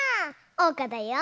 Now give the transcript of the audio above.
おうかだよ。